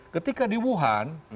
ketika di wuhan